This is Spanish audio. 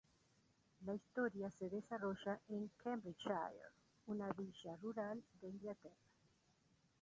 La historia se desarrolla en Cambridgeshire, una villa rural de Inglaterra.